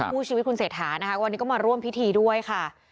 คู่ชีวิตคุณเศรษฐานะคะวันนี้ก็มาร่วมพิธีด้วยค่ะ